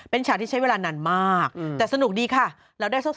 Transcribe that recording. เป็นฉากที่ใช้เวลานานมากแต่สนุกดีค่ะเราได้สัก